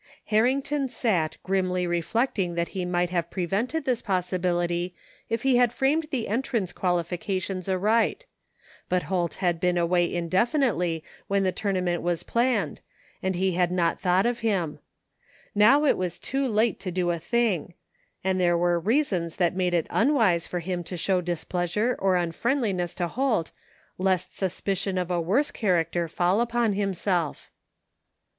Harrington sat, grimly reflecting that he might have prevented this possibility if he had framed the entrance qualifications aright ; but Holt had been away indefi 221 THE FINDmG OF JASPER HOLT nitdy when the tournament was planned and he had not thought of him. Now it was too late to do a thing; and there were reasons that made it unwise for him to show displeasure or unfriendliness to Holt, lest sus picion of a worse character fall upon Ihimself